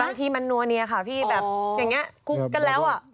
บางทีมันนัวเนียค่ะพี่แบบอย่างนี้คุ้มกันแล้วอ่ะ